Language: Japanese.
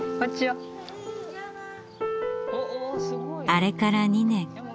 あれから２年。